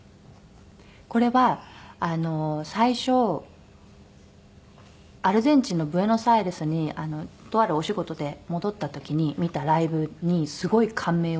これは最初アルゼンチンのブエノスアイレスにとあるお仕事で戻った時に見たライブにすごい感銘を受けて。